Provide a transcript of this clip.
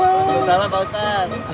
waalaikumsalam pak ustadz